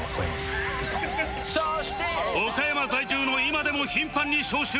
岡山在住の今でも頻繁に召集